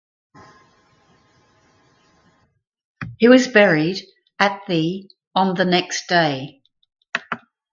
He was buried at the on the next day.